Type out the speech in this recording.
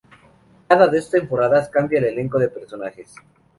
Cada dos temporadas cambia el elenco de personajes.